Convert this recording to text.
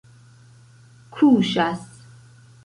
kuŝas